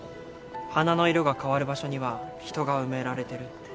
花の色が変わる場所には人が埋められてるって。